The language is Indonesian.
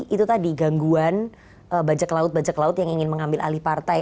itu tadi gangguan bajak laut bajak laut yang ingin mengambil alih partai